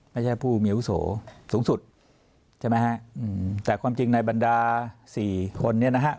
ไม่ใช่ผู้เมียอุโสสูงสุดใช่ไหมแต่ความจริงในบรรดา๔คนนี้นะฮะ